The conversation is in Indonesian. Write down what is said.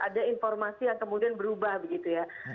ada informasi yang kemudian berubah begitu ya